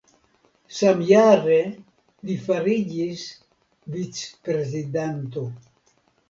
Samjare li fariĝis vicprezidanto.